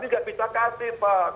bawaslu jalan tengah